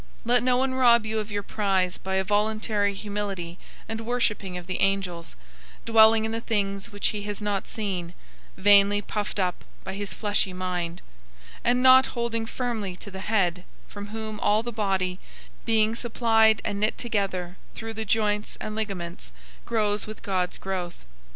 002:018 Let no one rob you of your prize by a voluntary humility and worshipping of the angels, dwelling in the things which he has not seen, vainly puffed up by his fleshly mind, 002:019 and not holding firmly to the Head, from whom all the body, being supplied and knit together through the joints and ligaments, grows with God's growth.